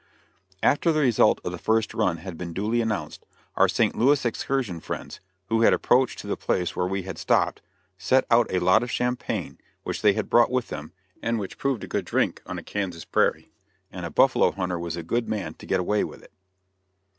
After the result of the first run had been duly announced, our St. Louis excursion friends who had approached to the place where we had stopped set out a lot of champagne, which they had brought with them, and which proved a good drink on a Kansas prairie, and a buffalo hunter was a good man to get away with it.